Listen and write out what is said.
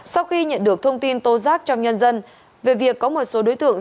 sau khi nhận được thông tin tố giác trong nhân dân về việc có một số đối tượng